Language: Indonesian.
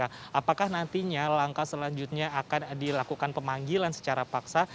apakah nantinya langkah selanjutnya akan dilakukan pemanggilan secara paksa